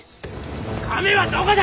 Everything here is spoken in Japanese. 亀はどこだ！